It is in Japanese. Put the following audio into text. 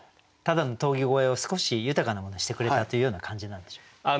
ただの峠越えを少し豊かなものにしてくれたというような感じなんでしょうか。